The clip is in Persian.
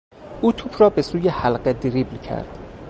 او توپ را به سوی حلقه دریبل کرد.